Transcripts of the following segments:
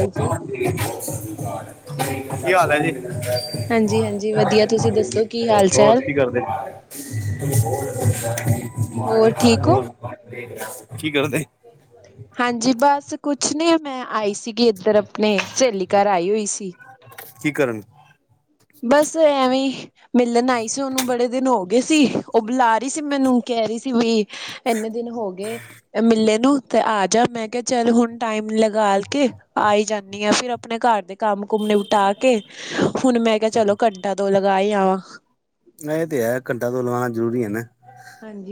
ਹਾਂਜੀ ਕੀ ਹਾਲ ਹੈ ਜੀਜ ਜਾ ਕੀ ਹਾਂਜੀ-ਹਾਂਜੀ ਹਾ ਵਧੀਆ ਤੁਸੀਂ ਦੱਸੋ ਹਾਲ ਕੀ ਹੋਰ ਚਾਲ ਕੀ ਕਰਦੇ ਹੋਰ ਠੀਕ ਹੋ? ਹੋਰ ਕੀ ਕਰਦੇ ਹਾਂਜੀ ਬਸ ਕੁਛ ਨੀ ਮੈਂ ਆਈ ਸੀਗੀ ਇੱਧਰ ਆਪਣੇ ਸਹੇਲੀ ਘਰ ਆਈ ਹੋਈ ਸੀ ਕੀ ਕਰਨ ਬਸ ਐਵੇਂ ਈ ਮਿਲਣ ਆਈ ਸੀ ਉਹਨੂੰ ਬੜੇ ਦਿਨ ਹੋਗ ਗੇਸੀ ਈ ਉਹ ਬੁਲਾ ਰਹੀ ਸੀ ਮੈਨੂੰ ਕਹਿ ਰਹੀ ਸੀ ਵੀ ਇਨੇ ਦਿਨ ਹੋ ਗਏ ਮਿਲੇ ਨੂੰ ਤੇ ਆ ਜਾ ਮੈਂ ਕਿਹਾ ਚੱਲ ਹੁਣ ਟਾਈਮ ਲਗਾ ਕੇ ਆਈ ਜਾਂਣੀ ਆ ਫਿਰ ਮੈ ਘਰ ਦੇ ਕੰਮ ਕੁਮ ਨਿਪਟਾ ਕੇ ਏ ਹੁਣ ਮੈਂ ਕਿਹਾ ਚਲੋ ਘੰਟਾ ਦੋ ਲਗਾ ਈ ਆਵਾਂ ਇਹ ਤੇ ਐ ਘੰਟਾ ਤੋਂ ਲਵਾਉਣਾ ਜ਼ਰੂਰੀ ਐ ਨਾ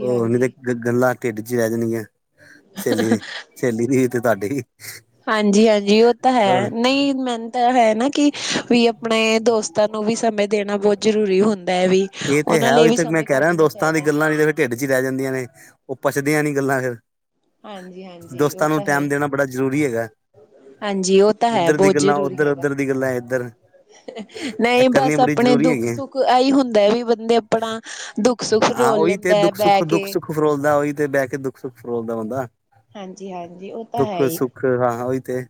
ਉਹ ਨਹੀ ਤੇ ਗੱਲਾਂ ਢਿੱਡ ਚ ਰਹਿ ਜਾਣੀਆਂ ਸਹੇਲੀ ਦੇ ਏ ਸਹੇਲੀ ਵੀ ਈ ਤੇ ਤਾਡੇ ਵੀ ਹਾਂਜੀ ਈ ਹਾਂਜੀ ਈ ਉਹ ਤਾਂ ਹਾਂ, ਐ ਨਹੀਂ ਮੈਨੂੰ ਤਾਂ ਹੈ ਨਾ ਆ ਕਿ ਵੀ ਆਪਣੇ ਦੋਸਤਾਂ ਨੂੰ ਵੀ ਸਮੇਂ ਦੇਣਾ ਬਹੁਤ ਜਰੂਰੀ ਹੁੰਦਾ ਐ ਵੀ ਇਹ ਤੇ ਉਹਨਾਂ ਹੈ ਲਈ ਉਹੀ ਵੀ ਤੇ ਮੈਂ ਸਮੇਂ ਕਹਿ ਕੱਢ ਰਿਹਾ ਮੈ ਦੋਸਤਾਂ ਦੀ ਚਾਹੀਦਾ ਐ ਗੱਲਾਂ ਨਹੀਂ ਤੇ ਫਿਰ ਢਿੱਡ ਚ ਰਹਿ ਜਾਂਦੀਆਂ ਨੇ ਉਹ ਪੱਚਦੀਆਂ ਨਹੀ ਗੱਲਾਂ ਆ ਫੇਰ ਹਾਂਜੀ ਈ ਹਾਂਜੀ ਈ ਦੋਸਤਾਂ ਨੂੰ ਟਾਇਮ ਦੇਣਾ ਬੜਾ ਜ਼ਰੂਰੀ ਹੈਗਾ ਐ ਹਾਂਜੀ ਉਹ ਤਾਂ ਹੈ ਬਹੁਤ ਜਰੂ ਏਧਰ ਉਧਰ ਦੀ ਗੱਲਾਂ ਆ ਇੱਧਰ ਆ ਨਈ ਬਸ ਆਪਣੇ ਦੁੱਖ ਹੈਗੀਆਂ ਸੁੱਖ ਐਈ ਹੁੰਦਾ ਵੀ ਬੰਦੇ ਆਪਣਾ ਆ ਦੁੱਖ ਸੁੱਖ ਹਾਂ ਫਰੋਲ ਉਹੀ ਤੇ ਲੈਂਦਾ ਐ ਦੁੱਖ ਸੁੱਖ ਬਹਿ ਕੇ ਦੁੱਖ ਸੁੱਖ ਫਰੋਲਦਾ ਹੋਈ ਤੇ ਬਹਿ ਕੇ ਦੁੱਖ ਸੁੱਖ ਫਰੋਲਦਾ ਬੰਦਾ ਆ ਹਾਂਜੀ ਈ ਹਾਂਜੀ ਈ ਉਹ ਤਾਂ ਹੈ ਈ ਕਰਨਾ ਵੀ ਤੇ ਏ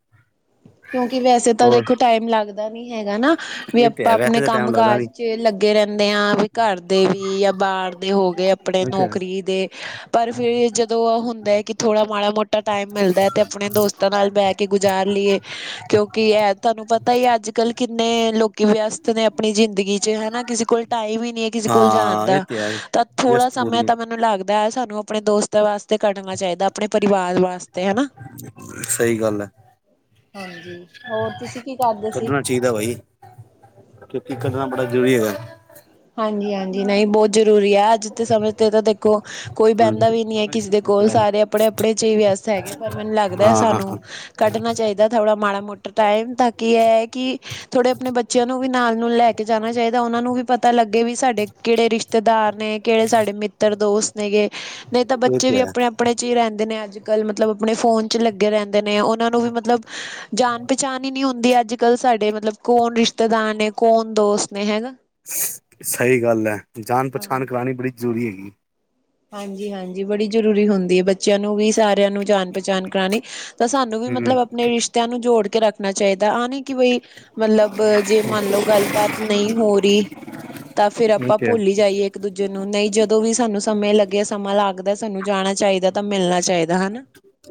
ਕਿਉਂਕਿ ਈ ਵੈਸੇ ਤਾਂ ਵੇਖੋ ਟਾਈਮ ਲੱਗ ਆ ਤਾ ਹੀ ਹੈਗਾ ਨਾ ਆ ਵੀ ਇਹ ਤੇ ਆਪਾਂ ਹੈ ਵੈਸੇ ਆਪਣੇ ਤਾਂ ਟਾਈਮ ਕੰਮ ਲੱਗਦਾ ਕਾਜ ਨੀ ਚ ਲੱਗੇ ਰਹਿੰਣੇ ਆ ਵੀ ਘਰ ਦੇ ਵੀ ਜਾਂ ਬਾਰ ਦੇ ਹੋ ਗਏ ਆਪਣੇ ਉਹ ਤੇ ਹੈ। ਨੌਕਰੀ ਦੇ ਏ ਪਰ ਫਿਰ ਜਦੋਂ ਉਹ ਹੁੰਦਾ ਐ ਕਿ ਥੋੜ੍ਹਾ ਆ ਮਾੜਾ ਮੋਟਾ ਟਾਈਮ ਮਿਲਦਾ ਤੇ ਆਪਣੇ ਦੋਸਤਾਂ ਨਾਲ ਬਹਿ ਕੇ ਗੁਜ਼ਾਰ ਪਰੀ ਲੀਏ ਕਿਉਂਕਿ ਐ ਤਾਨੂੰ ਪਤਾ ਹੀ ਅੱਜ ਕੱਲ੍ਹ ਕਿੰਨੇ ਲੋਕੀ ਵਿਅਸਤ ਨੇ ਆਪਣੀ ਜ਼ਿੰਦਗੀ ਚ ਜਿਵੇ ਨਾ ਕਿਸੇ ਕੋਲ ਟਾਈਮ ਈ ਨਹੀ ਐ ਕਿਸੇ ਕੋਲ ਜਾਣ ਹਾਂ ਦਾ ਇਹ ਆ ਤੇ ਹੈ ਤਾਂ ਥੋੜਾ ਵਿਅਸਤ ਸਮੇਂ ਪੂਰੀ ਤਾਂ ਮੈਨੂੰ ਲੱਗਦਾ ਬਹਿ ਸਾਨੂੰ ਆਪਣੇ ਦੋਸਤਾਂ ਵਾਸਤੇ ਕੱਢਣਾ ਚਾਈ ਦਾ ਆਪਣੇ ਪਰਿਵਾਰ ਵਾਸਤੇ ਹਨਾ ਆ ਸਹੀ ਗੱਲ ਐ ਹਾਂਜੀ ਈ ਹੋਰ ਤੁਸੀਂ ਈ ਕੱਢਣਾ ਆ ਚਾਹੀਦਾ ਬਾਈ ਕਿਉਂਕਿ ਕੱਢਣਾ ਬੜਾ ਜ਼ਰੂਰੀ ਹੈਗਾ ਐ ਹਾਂਜੀ ਈ ਹਾਂਜੀ ਈ ਨਈ ਬਹੁਤ ਜ਼ਰੂਰੀ ਐ ਅੱਜ ਤੇ ਸਮੇਂ ਤੇ ਤਾਂ ਦੇਖੋ ਓ ਕੋਈ ਹੂੰ ਬਹਿੰਦਾ ਵੀ ਨਹੀ ਐ ਕਿਸੇ ਦੇ ਕੋਲ ਸਾਰੇ ਆਪਣੇ ਆਪਣੇ ਚ ਈ ਵਿਅਸਤ ਹੈਗੇ ਪਰ ਮੈਨੂੰ ਲੱਗਦਾ ਐ ਹਾਂ ਹਾਂ ਸਾਨੂੰ ਹਾਂ ਕੱਢਣਾ ਚਾਹੀਦਾ ਐ ਥੋੜਾ ਮਾੜਾ ਮੋਟਾ ਟਾਈਮ ਤਾਂ ਕੀ ਇਹ ਐ ਕਿ ਥੋੜੇ ਆਪਣੇ ਬੱਚਿਆਂ ਨੂੰ ਵੀ ਨਾਲ ਨੂਲ ਲੈ ਕੇ ਜਾਣਾ ਚਾਹੀਦਾ ਉਹਨਾਂ ਨੂੰ ਵੀ ਪਤਾ ਪਤਾ ਲੱਗੇ ਏ ਕੇ ਸਾਡੇ ਕਿਹੜੇ ਰਿਸ਼ਤੇਦਾਰ ਨੇ ਕਿਹੜੇ ਸਾਡੇ ਮਿੱਤਰ ਦੋਸਤ ਨੇਗੇੇ ਏ ਨਹੀਂ ਤਾਂ ਇਹ ਬੱਚੇ ਵੀ ਤੇ ਹੈ ਆਪਣੇ ਆਪ ਆਪਣੇ ਚ ਈ ਰਹਿੰਦੇ ਨੇ ਅੱਜ ਕੱਲ੍ਹ ਮਤਲਬ ਆਪਣੇ ਫੋਨ ਚ ਆ ਲੱਗੇ ਰਹਿੰਦੇ ਨੇ ਉਹਨਾਂ ਨੂੰ ਵੀ ਮਤਲਬ ਜਾਣ ਪਛਾਣ ਨੀ ਹੁੰਦੀ ਈ ਅੱਜ ਕੱਲ੍ਹ ਸਾਡੇ ਮਤਲਬ ਕੌਣ ਰਿਸ਼ਤੇਦਾਰ ਨੇ ਕੌਣ ਦੋਸਤ ਨੇ ਹੈਨਾ ਸਹੀ ਗੱਲ ਐ ਜਾਣ ਪਛਾਣ ਬਣਾਣੀ ਬੜੀ ਜ਼ਰੂਰੀ ਹੈਗੀ ਈ ਹਾਂਜੀ ਈ ਹਾਂਜੀ ਈ ਬੜੀ ਜ਼ਰੂਰੀ ਹੁੰਦੀ ਈ ਬੱਚਿਆਂ ਨੂੰ ਵੀ ਸਾ ਮਡੀਆ ਨੂੰ ਜਾਣ ਪਹਿਚਾਣ ਕਰਾਣੀ ਈ ਤਾਂ ਸਾਨੂੰ ਵੀ ਹੂੰ ਮਤਲਬ ਆਪਣੇ ਰਿਸ਼ਤਿਆਂ ਨੂੰ ਜੋੜ ਕੇ ਰੱਖ ਨਾ ਚਾਈਦਾ ਆ ਨਈ ਕਿ ਬਈ ਮਤਲਬ ਜੇ ਮੰਨ ਲਓ ਗੱਲਬਾਤ ਨਈ ਹੋ ਰੀ ਤਾਂ ਫਿਰ ਇਹ ਆਪਾਂ ਤੇ ਹੈ ਭੁੱਲ ਈ ਜਾਈਏ ਇੱਕ ਦੂਜੇ ਨੂੰ, ਨਈ ਜਦੋਂ ਵੀ ਸਾਨੂੰ ਸਮੇਂ ਲੱਗੇ, ਸਮਾਂ ਲੱਗਦਾ ਸਾਨੂੰ ਜਾਣਾ ਚਾਈਦਾ ਤਾਂ ਮਿਲਨਾ ਚਾਈਦਾ ਹਨਾ।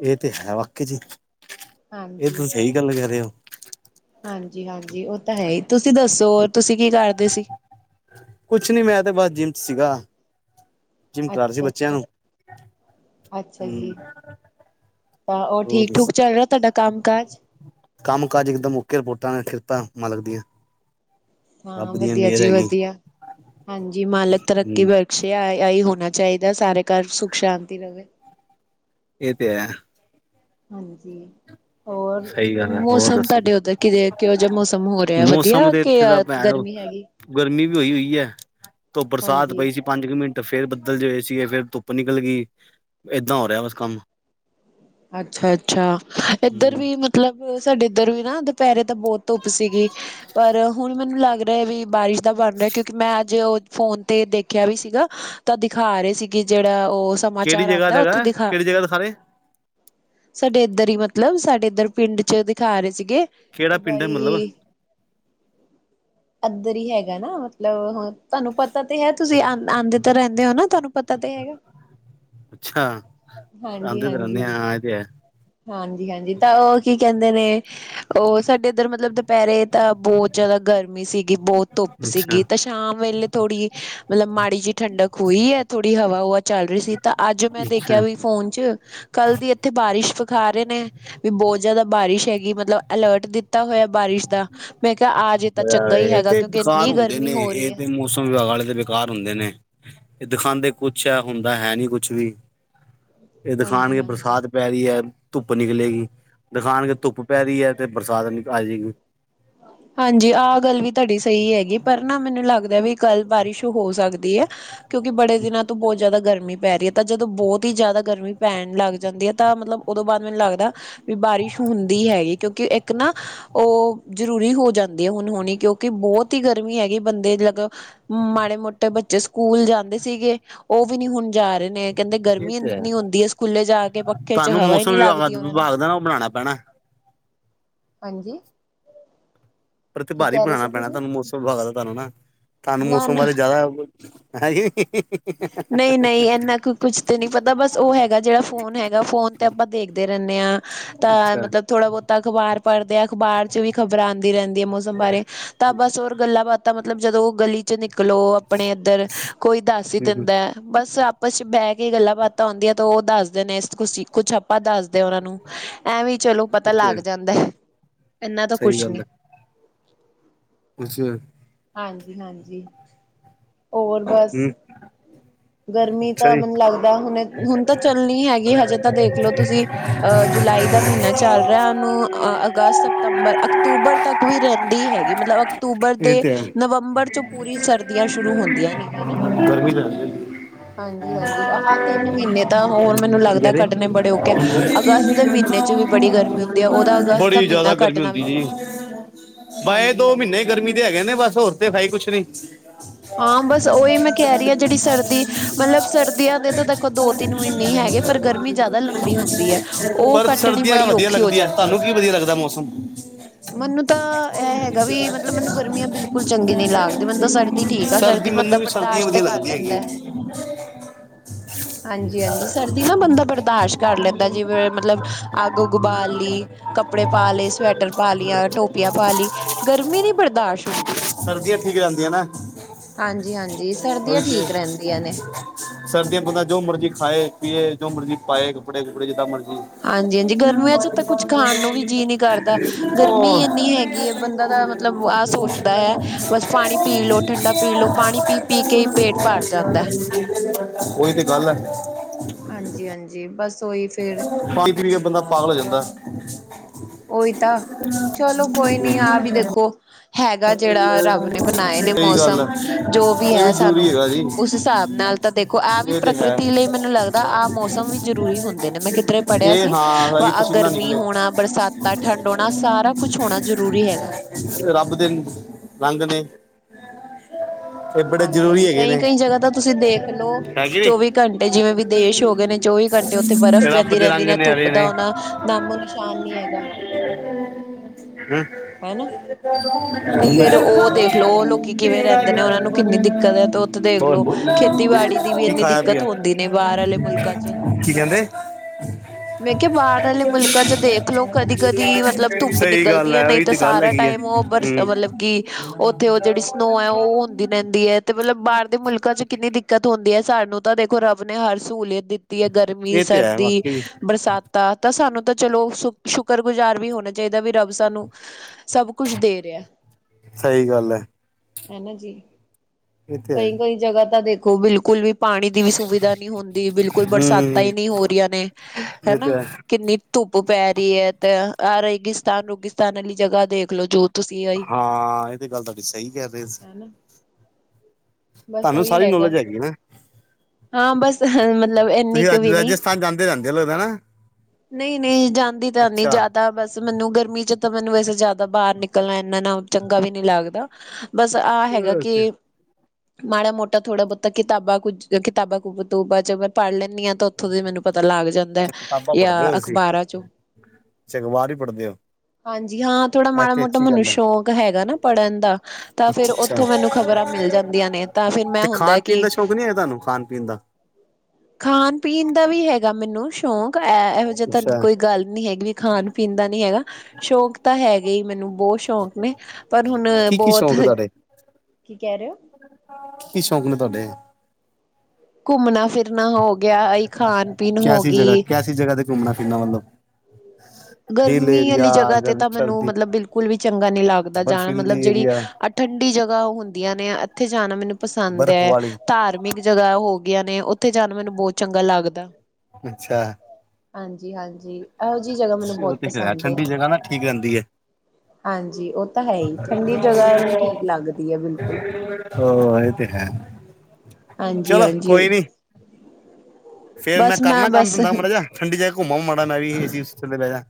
ਏ ਤੇ ਹੈ ਵਾਕੇ 'ਚ ਏ ਹਾਂਜੀ। ਤਾਂ ਸਈ ਗੱਲ ਕੈ ਰੇ ਓ। ਹਾਂਜੀ-ਹਾਂਜੀ ਓ ਤਾਂ ਹੈ ਈ, ਤੁਸੀਂ ਦੱਸੋ ਤੁਸੀਂ ਕੀ ਕਰਦੇ ਸੀ? ਕੁਛ ਨੀ ਮੈਂ ਤੇ ਬਸ ਜਿੰਮ 'ਚ ਸੀਗਾ। ਜਿੰਮ ਕਰਾ ਰਯਾ ਸੀ ਬੱਚੇਆਂ ਅੱਛਾ-ਅੱਛਾ, ਨੂੰ ਅੱਛਾ ਅੱਛਾ ਜੀ। ਹੂੰ। ਤਾਂ ਓ ਹੋਰ ਦੱਸ, ਠੀਕ-ਠੂਕ ਚੱਲ ਰਯਾ ਤੁਆਡਾ ਕੰਮ ਕਾਜ? ਕੰਮ ਕਾਜ ਇਕਦਮ ਓਕੇ ਰਿਪੋਰਟਾਂ ਨੇ ਸਿਫਤਾਂ ਮਾਲਕ ਦੀਆਂ। ਹਾਂ, ਰੱਬ ਦੀਆਂ ਵਦੀਆ ਮਿਹਰ ਜੀ ਹੈਗੀ ਵਦੀਆ, ਹਾਂਜੀ ਮਾਲਕ ਤਰੱਕੀ ਹੂੰ ਵ ਸ਼ੇ, ਆਈ ਹੋਨਾ ਚਾਈਦਾ, ਸਾਰੇ ਘਰ ਸੁੱਖ-ਸ਼ਾਂਤੀ ਰਵੇ। ਏ ਤੇ ਐ। ਹਾਂਜੀ, ਹੋਰ ਸਹੀ ਗੱਲ ਹੈ ਹੋਰ ਮੌਸਮ ਦੱਸੋ ਤੁਆਡੇ ਓਧਰ ਕਿਦੇ, ਕਿਹੋ ਜਯਾ ਮੌਸਮ ਹੋ ਰਯਾ ਮੌਸਮ ਵਦੀਆ ਦੇ ਕੀ ਇੱਥੇ ਦਾ ਭੈਣ ਗਰਮੀ ਹੈਗੀ। ਗਰਮੀ ਵੀ ਹੋਈ ਹੋਈ ਐ, ਤੋਂ ਬਰਸਾਤ ਹਾਂਜੀ। ਪਈ ਸੀ। ਪੰਜ ਕੁ ਮਿੰਟ ਫਿਰ ਬੱਦਲ ਜੇ ਹੋਏ ਸੀਗੇ ਫੇਰ ਧੁੱਪ ਨਿਕਲ ਗੀ ਏਦਾਂ ਹੋ ਰਯਾ ਬਸ ਕੰਮ। ਅੱਛਾ-ਅੱਛਾ ਏਧਰ ਹਮ ਵੀ ਮ ਮਤਲਬ ਸਾਡੇ ਏਧਰ ਵੀ ਨਾ ਦੁਪੈਰੇ ਤਾਂ ਬੋਤ ਧੁੱਪ ਸੀਗੀ। ਪਰ ਹੁਨਾ ਮੈਨੂੰ ਲੱਗ ਰਯਾ ਵੀ ਬਾਰਿਸ਼ ਦਾ ਬਨਾ ਰਯਾ ਕਿਉਂਕਿ ਮੈਂ ਅੱਜ ਓ ਫੋਨ ਤੇ ਦੇਖੇਆ ਵੀ ਸੀਗਾ ਤਾਂ ਦਿਖਾ ਰੇ ਸੀਗੇ ਜੇੜਾ ਓ ਸਮਾਚਾਰ ਆਂਦਾ ਓਥੇ ਦਿਖਾ [unintelligible] ਸਾਰੇ ਸਾਡੇ ਏਧਰ ਈ ਮਤਲਬ ਸਾਡੇ ਏਧਰ ਪਿੰਡ 'ਚ ਦਿਖਾ ਰੇ ਸੀਗੇ ਕਿਹੜਾ ਪਿੰਡ ਹੈ ਮਤਲਬ ਬਾਈ ਐਦਰ ਈ ਹੈਗਾ ਨਾ ਮਤਲਬ ਹੁਨ ਤੁਆਨੂੰ ਪਤਾ ਤੇ ਹੈ, ਤੁਸੀਂ ਆ ਆਂਦੇ ਤਾ ਰੈਂਦੇ ਓ ਤੁਆਨੂੰ ਪਤਾ ਤੇ ਹੈਗਾ। ਅੱਛਾ! ਹਾਂਜੀ ਆਂਦੇ ਤਾ ਰੈਨੇ ਹਾਂਜੀ ਆ, ਐ ਤਾ ਹੈ। ਹਾਂਜੀ-ਹਾਂਜੀ ਤਾਂ ਓ ਕੀ ਕਹਿੰਦੇ ਨੇ ਓ ਸਾਡੇ ਏਧਰ ਮਤਲਬ ਦੁਪੈਰੇ ਤਾਂ ਬੋਤ ਜਾਦਾ ਗਰਮੀ ਸੀਗੀ ਬੋਤ ਧੁੱਪ ਅੱਛਾ ਸੀਗੀ ਤਾਂ ਸ਼ਾਮ ਵੇਲੇ ਥੋੜ੍ਹੀ ਮਤਲਬ ਮਾੜੀ ਜੀ ਠੰਡਕ ਹੋਈ ਏ ਥੋੜੀ ਹਵਾ-ਹੁਵਾ ਚੱਲ ਰੀ ਸੀ ਤਾਂ ਅੱਜ ਮੈਂ ਦੇਖੇਆ ਅੱਛਾ ਵੀ ਫੋਨ 'ਚ ਕੱਲ ਦੀ ਐਥੇ ਬਾਰਿਸ਼ ਵਖਾ ਰੇ ਨੇ। ਵੀ ਬੋਤ ਜਾਦਾ ਬਾਰਿਸ਼ ਹੈਗੀ, ਮਤਲਬ ਅਲਰਟ ਦਿੱਤਾ ਹੋਏਆ ਬਾਰਿਸ਼ ਦਾ ਮੈਂ ਕੇਆ ਆ ਜੇ ਤਾਂ ਚੰਗਾ [unintelligible] ਹੀ ਏ ਹੈਗਾ ਤੇ ਕਿਉਂਕਿ ਬੇਕਾਰ ਇੰਨੀ ਹੁੰਦੇ ਗਰਮੀ ਨੇ, ਹੋ ਏ ਰਹੀ ਹੈ ਤੇ ਮੌਸਮ ਵਿਭਾਗ ਵਾਲੇ ਦੇ ਵ ਬੇਕਾਰ ਹੁੰਦੇ ਨੇ, ਏ ਦਿਖਾਂਦੇ ਕੁਛ ਆ ਹੁੰਦਾ ਹੈ ਨੀ ਕੁਛ ਵੀ। ਏ ਦਿਖਾਨਾਗੇ ਹਾਂਜੀ-ਹਾਂਜੀ ਬਰਸਾਤ ਪੈ ਰੀ ਐ ਧੁੱਪ ਨਿਕਲੇਗੀ, ਦਿਖਾਨਾਗੇ ਧੁੱਪ ਪੈ ਰੀ ਐ ਤੇ ਬਰਸਾਤ ਆ ਜੇ ਗੀ। ਹਾਂਜੀ ਆਹ ਗੱਲ ਵੀ ਤੁਆਡੀ ਸਈ ਹੈਗੀ ਪਰ ਨਾ ਮੈਨੂੰ ਲੱਗਦਾ ਵੀ ਕੱਲ ਬਾਰਿਸ਼ ਹੋ ਸਕਦੀ ਐ। ਕਿਉਂਕਿ ਬੜੇ ਦਿਨਾਂ ਤੋਂ ਬੋਤ ਜਾਦਾ ਗਰਮੀ ਪੈ ਰੀ ਏ ਤਾਂ ਜਦੋਂ ਬੋਤ ਈ ਜਾਦਾ ਗਰਮੀ ਪੈਣ ਲੱਗ ਜਾਂਦੀ ਏ ਤਾਂ ਮਤਲਬ ਓਦੋਂ ਬਾਦ ਮੈਨੂੰ ਲੱਗਦਾ ਵੀ ਬਾਰਿਸ਼ ਹੁੰਦੀ ਹੈਗੀ ਕਿਉਂਕਿ ਇੱਕ ਨਾ ਓ ਜ਼ਰੂਰੀ ਹੋ ਜਾਂਦੀ ਏ ਹੁਨਾ ਹੋਣੀ ਕਿਉਂਕਿ ਬੋਤ ਈ ਗਰਮੀ ਹੈਗੀ ਬੰਦੇ ਦੇ ਮਤ ਮਾੜੇ ਮੋਟੇ ਬੱਚੇ ਸਕੂਲ ਜਾਂਦੇ ਸੀਗੇ ਓ ਵੀ ਨੀ ਹੁਨ ਜਾ ਰੇ ਨੇ। ਕੈਂਦੇ ਇਹ ਗਰਮੀ ਤੇ ਹੈ ਇੰਨੀ ਹੁੰਦੀ ਏ ਸਕੂਲੇ ਜਾ ਕੇ ਪੱਖੇ 'ਚ ਹਵਾ ਈ ਨੀ ਲੱਗਦੀ ਓਨਾਂ ਨੂੰ। ਨਵਾਂ ਬਣਾਣਾ ਪੈਣਾ। ਹਾਂਜੀ। ਪਰ ਐਥੇ ਬਾਰ ਈ ਬਣਾਣਾ ਪੈਣਾ, ਤੁਹਾਨੂੰ ਮੌਸਮ ਵਿਭਾਗ ਦਾ ਤੁਆਨੂੰ ਨਾ। ਤਾਨੂੰ ਮੌਸਮ ਬਾਰੇ ਜਾਦਾ, ਹੈਂ ਜੀ ਏਨਾ ਕੁ ਕੁਛ ਤੇ ਨੀ ਪਤਾ ਬਸ ਓਹ ਹੈਗਾ ਜੇੜਾ ਫੋਨ ਹੈਗਾ, ਫੋਨ ਤੇ ਅਪਾਂ ਦੇਖਦੇ ਰੈੰਨੇ ਆ। ਤਾਂ ਅੱਛਾ ਮਤਲਬ ਥੋੜਾ ਬੌਤਾ ਅਖ਼ਬਾਰ ਪੜ੍ਹਦੇ ਆ, ਅਖ਼ਬਾਰ ਚ ਵੀ ਖ਼ਬਰ ਆਂਦੀ ਰੈੰਦੀ ਏ ਮੌਸਮ ਬਾਰੇ। ਤਾਂ ਬਸ ਹੋਰ ਗੱਲਾਂ-ਬਾਤਾਂ ਮਤਲਬ ਜਦੋਂ ਓਹ ਗਲੀ ਚ ਨਿਕਲੋ ਅਪਣੇ ਏਧਰ ਕੋਈ ਦੱਸ ਈ ਦਿੰਦੈ। ਬਸ ਆਪਸ ਚ ਬੈਹ ਕੇ ਗੱਲਾਂ-ਬਾਤਾਂ ਹੂੰਦੀਆਂ ਤੇ ਓਹ ਦੱਸਦੇ ਨੇ ਇਸ ਕੁਸੀ਼, ਕੁਛ ਆਪਾਂ ਦੱਸਦੇ ਆ ਓਹਨਾਂ ਨੂੰ। ਐਂਵੇ ਈ ਚਲੋ ਪਤਾ ਲੱਗ ਤੇ ਜਾਂਦੈ, ਇਨ੍ਹਾ ਦਾ ਸਹੀ ਕੁਛ ਨੀ। [inaudible] ਕੁਛ ਹਾਂਜੀ-ਹਾਂਜੀ, ਔਰ ਬਸ ਹਮ ਗਰਮੀ ਅੱਛਾ ਤਾਂ ਜੀ ਮੈਨੂੰ ਲੱਗਦੈ ਹੁਣੇ, ਹੁਣ ਤਾਂ ਚੱਲਣੀ ਹੈਗੀ ਹਜੇ ਤਾਂ ਦੇਖ ਲੋ ਤੁਸੀਂ ਅਹ ਜੁਲਾਈ ਦਾ ਮ੍ਹੀਨਾ ਚੱਲ ਰਿਐ ਓਨੂੰ ਅਹ ਅਗਸਤ, ਸਤੰਬਰ, ਅਕਤੂਬਰ ਤੱਕ ਵੀ ਰੈੰਦ ਦੀ ਹੈਗੀ ਮਤਲਬ ਅਕਤੂਬਰ ਇਹ ਦੇ ਤੇ ਹੈ ਨਵੰਬਰ ਚ ਪੂਰੀ ਸਰਦੀਆਂ ਸ਼ੁਰੂ ਹੁੰਦੀਆਂ ਨੇ। ਹਨਾ ਗਰਮੀ ਤਾ ਹੈਜੇ ਪੂਰੀ। ਹਾਂਜੀ ਹਾਂਜੀ ਆਹ ਤਿੰਨ ਮਹੀਨੇ ਤਾਂ [inaudible] ਹੋਰ ਕੀ ਮੈਨੂੰ ਲੱਗਦਾ ਕੈਰੇ? [inaudible] ਕੱਢਣੇ ਬੜੇ ਔਖੇ ਆ ਅਗਸਤ ਦੇ ਮਹੀਨੇ ਚ ਵੀ ਬੜੀ ਗਰਮੀ ਹੁੰਦੀ ਆ ਉਹਦਾ ਅਗਸਤ ਦਾ ਬੜੀ ਜੈਦਾ ਮਹੀਨਾ ਗਰਮੀ ਕੱਢਣਾ ਹੁੰਦੀ ਵੀ ਏ ਜੀ। ਬੜੀ ਬਾ ਏ ਹਾਂਜੀ ਦੋ ਮ੍ਹੀਨੇ ਹਾਂਜੀ ਈ ਗਰਮੀ ਦੇ ਹੈਗੇ ਨੇ, ਬਸ ਹੋਰ ਤੇ ਹੈ ਈ ਕੁੱਛ ਨੀ। ਆਂ ਬਸ ਓਈ ਮੈਂ ਕੈ ਰੀ ਆ ਜੇੜੀ ਸਰਦੀ, ਮਤਲਬ ਸਰਦੀਆਂ ਦੇ ਤਾਂ ਦੇਖੋ ਦੋ ਤਿੰਨ ਮੀਨੇ ਈ ਹੈਗੇ, ਪਰ ਗਰਮੀ ਜਾਦਾ ਲੰਬੀ ਹੁੰਦੀ ਹੈ, ਓਹ ਪਰ ਕੱਟਣੀ ਸਰਦੀਆਂ ਬੜੀ ਵਧੀਆ ਔਖੀ ਹੋ ਲੱਗਦੀ ਹੈ ਜਾਂਦੀ ਐ। ਤੁਹਾਨੂੰ ਕੀ ਵਧੀਆ ਲੱਗਦੈ ਮੌਸਮ। [inaudible] [inaudible] ਤਾਂ ਇਹ ਹੈਗਾ ਵੀ ਮਤਲਬ ਮੈਨੂੰ ਗਰਮੀਆਂ ਬਿਲਕੁਲ ਚੰਗੀ ਨਹੀਂ ਲੱਗਦੀ ਮੈਨੂੰ ਤਾਂ ਸਰਦੀ ਠੀਕ ਆ ਸਰਦੀ ਬੰਦਾ ਮੈਨੂੰ ਵੀ ਸਰਦੀਆਂ ਬਰਦਾਸ਼ਤ ਤੇ ਵਧੀਆ ਕਰ ਲੱਗਦੀਆਂ ਹੈਗੀਐ। ਲੈਂਦਾ ਹਾਂਜੀ ਹਾਂਜੀ, ਸਰਦੀ ਨਾ ਬੰਦਾ ਬਰਦਾਸ਼ ਕਰ ਲੈਂਦੈ। ਜਿਵੇਂ, ਮਤਲਬ ਅੱਗ-ਉਗ ਬਾਲ ਲੀ। ਕੱਪੜੇ ਪਾ ਲੇ, ਸਵੈਟਰ ਪਾ ਲੀਆਂ, ਟੋਪੀਆਂ ਪਾ ਲੀ, ਗਰਮੀ ਨੀ ਬਰਦਾਸ਼ ਹੁੰਦੀ। ਸਰਦੀਆਂ ਠੀਕ ਹਾਂਜੀ-ਹਾਂਜ ਓਈ ਤੇ [inaudible] ਸਰਦੀਆਂ ਬੰਦਾ ਜੋ ਮਰਜ਼ੀ ਖਾਏ-ਪੀਏ, ਜੋ ਮਰਜ਼ੀ ਪਾਏ ਕੱਪੜੇ-ਕੁੱਪੜੇ ਜਿੱਦਾਂ ਮਰਜ਼ੀ। ਹਾਂਜੀ-ਹਾਂਜੀ ਗਰਮੀਆਂ 'ਚ ਤਾਂ ਕੁਛ ਖਾਣ ਨੂੰ ਵੀ ਜੀਅ ਨੀ ਕਰਦਾ। [inaudible] ਗਰਮੀ ਹੋਰ ਇੰਨੀ ਹੈਗੀ ਹੈ ਬੰਦਾ ਤਾਂ ਮਤਲਬ ਆਹ ਸੋਚਦਾ ਹੈ ਬਸ ਪਾਣੀ ਪੀ ਲਓ ਠੰਡਾ ਪੀ ਲਓ ਪਾਣੀ [unintelligible] ਪੀ-ਪੀ ਕੇ ਹੀ ਪੇਟ ਭਰ ਜਾਂਦਾ। ਓਈ ਤੇ ਗੱਲ ਐ। ਹਾਂਜੀ-ਹਾਂਜੀ, ਬਸ ਓਹੀ ਫੇਰ ਪਾਣੀ ਪੀ ਕੇ ਬੰਦਾ ਪਾਗਲ ਹੋ ਜਾਂਦੈ। ਓਈ ਤਾਂ, ਚਲੋ ਕੋਈ ਨੀ ਆ ਵੀ ਦੇਖੋ ਹੈਗਾ ਜੇੜਾ ਰੱਬ ਨੇ ਬਣਾਏ ਨੇ ਸਹੀ ਗੱਲ ਹੈ ਮੌਸਮ, ਜੋ ਵੀ ਇਹ ਹੈ ਜ਼ਰੂਰੀ ਸਾਨੂੰ ਹੈਗਾ ਜੀ ਉਸ ਹਿਸਾਬ ਨਾਲ ਤਾਂ ਦੇਖੋ, ਆਹ ਵੀ ਇਹ ਤੇ ਹੈ ਪ੍ਰਾਕਿਰਤੀ ਲਈ ਮੈਨੂੰ ਲੱਗਦਾ ਆਹ ਮੌਸਮ ਵੀ ਜਰੂਰੀ ਹੁੰਦੇ ਨੇ। ਮੈਂ ਕਿੱਧਰੇ ਪੜਿਆ ਇਹ ਸੀ, ਹਾਂ ਵ ਹੈਗੀ ਆ ਪਸੀਨਾ ਗਰਮੀ ਨਿਕਲੇ ਹੋਣਾ, ਬਰਸਾਤਾਂ, ਠੰਡ ਹੋਣਾ, ਸਾਰਾ ਕੁਛ ਹੋਣਾ ਜ਼ਰੂਰੀ ਹੈਗਾ। ਰੱਬ ਦੇ ਰੰਗ ਨੇ। [inaudible] ਇਹ ਬੜੇ ਜ਼ਰੂਰੀ ਹਾਂਜੀ-ਹਾਂਜੀ, ਹੈਗੇ ਨੇ ਕਈ-ਕਈ ਜਗ੍ਹਾ ਤਾਂ ਤੁਸੀਂ ਦੇਖ ਲੋ ਹੈਗੇ ਚੋਵੀ ਘੰਟੇ ਜਿਵੇਂ ਵਿਦੇਸ਼ ਹੋਗੇ ਨੇ ਚੋਵੀ ਘੰਟੇ ਓਥੇ ਬਰਫ਼ ਨੇ ਰੱਬ ਪੈਂਦੀ ਦੇ ਰੈੰਦੀ ਰੰਗ ਨੇ, ਧੁੱਪ ਆਰੇ ਦਾ ਓਨਾ ਨਾਮੋ ਨਿਸ਼ਾਨ ਨੀ ਹੈਗਾ। [inaudible] ਹੰ ਹੈਨਾ। ਤੇ ਫੇਰ ਓ ਦੇਖਲੋ, ਓਹ ਲੋਕੀ ਕਿਵੇਂ ਰੈਂਦੇ ਨੇ ਓਨਾ ਨੂੰ ਕਿੰਨੀ ਦਿੱਕਤ ਏ, ਤੇ ਓਥ ਤ ਦੇਖਲੋ, ਹੋਰ ਖੇਤੀਬਾੜੀ ਦੀ ਵੀ ਕੀ ਏਨੀ ਖਾਇਆ ਦਿੱਕਤ ਪੀਆ ਹੁੰਦੀ ਨੇ ਬਾਰ ਆਲੇ ਮੁਲਕਾਂ ਚ। ਕੀ ਕਹਿੰਦੇ ਮੈਂ ਕਿਆ ਬਾਰ ਆਲੇ ਮੁਲਕਾਂ ਚ ਦੇਖਲੋ ਕਦੀ-ਕਦੀ ਮਤਲਬ ਧੁੱਪ ਸਹੀ ਨਿਕਲਦੀ ਗੱਲ ਐ ਹੈ ਨਈ ਉਹੀ ਤੇ ਗੱਲ ਸਾਰਾ ਹੈਗੀ ਹੈ ਟਾਈਮ ਓ ਬਰ ਹੂੰ ਮਤਲਬ ਕੀ ਓਥੇ ਓ ਜੇੜੀ ਸਨੋ ਐ ਓ ਹੁੰਦੀ ਰੈਂਦੀ ਐ ਤੇ ਮਤਲਬ ਬਾਰ ਦੇ ਮੁਲਕਾਂ ਚ ਕਿੰਨੀ ਦਿੱਕਤ ਹੁੰਦੀ ਐ ਸਾਨੂੰ ਤਾਂ ਦੇਖੋ ਰੱਬ ਨੇ ਹਰ ਸਹੂਲੀਅਤ ਦਿੱਤੀ ਐ ਗਰਮੀ, ਇਹ ਤੇ ਹੈ ਸਰਦੀ, ਵਾਕਈ ਜੀ ਬਰਸਾ ਤਾ-ਤਾ ਸਾਨੂੰ ਤਾਂ ਚਲੋ ਸੁ ਸ਼ੁਕਰ-ਗੁਜ਼ਾਰ ਵੀ ਹੋਣਾ ਚਾਈਦਾ ਵੀ ਰੱਬ ਸਾਨੂੰ ਸਭ ਕੁਝ ਦੇ ਰਿਆ ਸਹੀ ਗੱਲ ਹੈ ਹੈਨਾ ਜੀ। ਇਹ ਤੇ ਹੈ ਕਈ-ਕਈ ਜਗਾ ਤਾਂ ਦੇਖੋ ਬਿਲਕੁਲ ਵੀ ਪਾਣੀ ਦੀ ਵੀ ਸੁਵਿਧਾ ਨੀ ਹੁੰਦੀ ਬਿਲਕੁੱਲ ਬਰਸਾਤਾਂ ਹੂੰ ਈ ਨੀ ਹੋ ਰੀਆਂ ਨੇ ਇਹ ਹੈਨਾ ਤੇ ਹੈ ਕਿੰਨੀ ਧੁੱਪ ਪੈ ਰੀ ਐ ਤ ਆਹ ਰੇਗਿਸਤਾਨ-ਰੁਗੀਸਤਾਨ ਆਲੀ ਜਗ੍ਹਾ ਦੇਖ ਲੋ ਜੂ ਹਾਂ ਏ ਤੇ ਗੱਲ ਤਾਡੀ ਸਈ ਕੈ ਰੇ ਸੀ ਹਨਾ ਬਸ ਤੁਹਾਨੂੰ ਓਈ ਸਾਰੀ ਹੈਗਾ ਨੌਲੇਜ ਹੈਗੀ ਨਾ ਹਾਂ ਬਸ [unintelligible] ਤੁਸੀਂ ਕੁ ਵੀ ਨੀ ਰਾਜ-ਰਾਜਸਥਾਨ ਜਾਂਦੇ ਰੈਂਦੇ ਓ ਲਗਦਾ ਹਨਾ? ਨਈ-ਨਈ ਜਾਂਦੀ ਤਾਂ ਨੀ ਜਾਦਾ ਬਸ ਸ ਮਨੂੰ ਗਰਮੀ ਚ ਤਾਂ ਮੈਨੂੰ ਵੈਸੇ ਜਾਦਾ ਬਾਰ ਨਿਕਲਣਾ ਇੰਨਾ ਨਾ ਚੰਗਾ ਵੀ ਨੀ ਲੱਗਦਾ। ਬਸ ਆ ਹੈਗਾ ਇਹ ਕੇ ਤੇ ਮਾੜਾ ਮੋਟਾ ਥੋੜ੍ਹਾ ਬੋਤਾ ਕਿਤਾਬਾਂ ਕੁਝ ਕਿਤਾਬਾਂ ਕੁੂਬ [unintelligible] ਚ ਪੜ੍ਹ ਲੇਨੀ ਆ [unintelligible] ਉੱਥੋਂ ਦੀ ਮੈਨੂੰ ਪਤਾ ਲੱਗ ਜਾਂਦੈ ਅੱਛਾ ਕਿਤਾਬਾਂ ਯਾਂ ਅਖ਼ਬਾਰਾਂ ਚੋਂ। ਛ ਅਖ਼ਬਾਰ ਈ ਪੜ੍ਹਦੇ ਓ। ਹਾਂਜੀ ਹਾਂ ਥੋੜਾ ਮਾੜਾ-ਮੋਟਾ ਮੈਨੂੰ ਸ਼ੌਕ ਹੈਗਾ ਨਾ ਪੜ੍ਹਨ ਦਾ ਤਾਂ ਫਿਰ ਓ ਅੱਛਾ ਥੋਂ ਮੈਨੂੰ ਖ਼ਬਰਾਂ ਮਿਲ ਜਾਂਦੀਆਂ ਨੇ ਤਾਂ ਫਿਰ ਮੈਂ ਤੇ ਹੁੰਦਾ ਖਾਣ ਹੈ ਪੀਣ ਕੀ ਦਾ ਸ਼ੌਕ ਨਹੀਂ ਹੈ ਤੁਹਾਨੂੰ ਖਾਣ ਪੀਣ ਦਾ ਖਾਣ-ਪੀਣ ਦਾ ਵੀ ਹੈਗਾ ਮੈਨੂੰ ਸ਼ੌ ਕ ਐ ਐਹੋ ਜਾ ਤਾਂ ਅੱਛਾ ਕੋਈ ਗੱਲ ਨੀ ਹੈਗੀ ਵੀ ਖਾਣ-ਪੀਣ ਦਾ ਨੀ ਹੈਗਾ ਸ਼ੌਂਕ, ਤਾਂ ਹੈਗੇ ਈ ਮੈਨੂੰ ਬੋਤ ਸ਼ੌਂਕ ਨੇ ਪਰ ਹੁਣ ਕੀ ਕੀ ਬੋਤ ਸ਼ੌਕ ਹੈ ਤੁਹਾਡੇ ਕੀ ਕੈ ਰੇ ਓ? ਕੀ ਸ਼ੌਂਕ ਨੇ ਤੁਹਾਡੇ? ਘੁੰਮਣਾ-ਫਿਰਨਾ ਹੋ ਗਿਆ ਆਈ ਖਾਣ-ਪੀਣ ਹੋਗੀ। ਘੁੰਮਣਾ-ਫਿਰਨਾ ਮਤਲਬ? ਗਰਮੀ ਅਲੀ ਜਗ੍ਹਾ ਤੇ ਤਾਂ ਮੈਨੂੰ ਮਤਲਬ ਬਿਲਕੁਲ ਵੀ ਚੰਗਾ ਨੀ ਲੱਗਦਾ ਜਾਣਾ ਮਤਲਬ ਜੇੜੀ ਅ ਠੰਡੀ ਜਗ੍ਹਾ ਹੁੰਦੀਆਂ ਨੇ ਏਥੇ ਜਾਣਾ ਮੈਨੂੰ ਪਸੰਦ ਐ ਵਾਲੀ ਧਾਰ ਮਿਕ ਜਗ੍ਹਾ ਹੋ ਗਈਆਂ ਨੇ ਉੱਥੇ ਜਾਣ ਮੈਨੂੰ ਬੋਤ ਚੰਗਾ ਲੱਗਦਾ। ਅੱਛਾ। ਹਾਂਜੀ-ਹਾਂਜੀ ਏਹੋ ਜੀ ਜਗ੍ਹਾ ਮੈਨੂੰ ਬਹੁਤ [unintelligible] ਰਿਆ ਪਸੰਦ ਹੈ ਠੰਡੀ ਜਗ੍ਹਾ ਨਾ ਠੀਕ ਰੈਂਦੀ ਐ। ਹਾਂਜੀ, ਓ ਤਾਂ ਹੈ ਹੀ ਠੰਡੀ ਜਗ੍ਹਾ ਮੈਨੂੰ ਠੀਕ ਲੱਗਦੀ ਐ ਬਿਲਕੁੱਲ। ਹੋ ਏ ਤੇ ਹੈ ਹਾਂਜੀ ਚਲੋ ਹਾਂਜੀ ਕੋਈ ਨੀ। ਫੇਰ ਮੈਂ ਬਸ ਕਰਨਾ ਕੰਮ ਬਸ ਧੰਦਾ ਮਾੜਾ ਜਾ ਠੰਡੀ ਜਗ੍ਹਾ ਘੁੰਮ ਆਵਾਂ ਮਾੜਾ ਮੈਂ ਵੀ ਏਸੀ-ਉਸੀ ਥੱਲੇ ਬੈਜਾ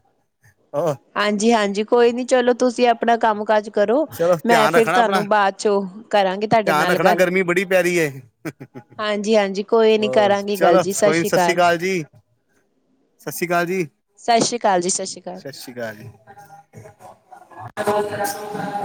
ਓ ਹਾਂਜੀ-ਹਾਂਜੀ ਕੋਈ ਨੀ ਚਲੋ ਤੁਸੀਂ ਆਪਣਾ ਕੰਮ-ਕਾਜ਼ ਕਰੋ, ਚਲੋ ਮੈਂ ਧਿਆਨ ਫਿਰ ਰੱਖਣਾ ਆਪਣਾ ਤੁਹਾਨੂੰ ਬਾਦ ਚੋਂ ਕਰਾਂਗੀ ਤੁਹਾਡੇ ਧਿਆਨ ਨਾਲ ਰੱਖਣਾ ਗੱਲ ਗਰਮੀ ਬੜੀ ਪੈ ਰਹੀ ਹੈ ਹਾਂਜੀ-ਹਾਂਜੀ ਕੋਈ ਨੀ ਕਰਾਂਗੀ ਗੱਲ ਜੀ ਸ਼ਸ਼ੀਕਾਲ। ਸਸੀਕਾਲ ਜੀ। ਸ਼ਸ਼ੀ ਕਾਲ ਜੀ ਸ਼ਸ਼ੀ ਕਾਲ। [inaudible]